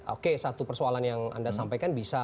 oke satu persoalan yang anda sampaikan bisa